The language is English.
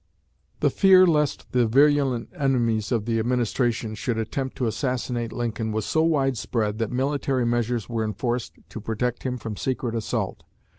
The fear lest the virulent enemies of the administration should attempt to assassinate Lincoln was so wide spread that military measures were enforced to protect him from secret assault.